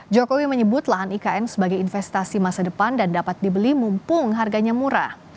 jokowi menyebut lahan ikn sebagai investasi masa depan dan dapat dibeli mumpung harganya murah